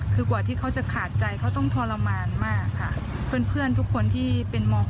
คือกว่าที่เขาจะขาดใจเขาต้องทรมานมากค่ะเพื่อนเพื่อนทุกคนที่เป็นมค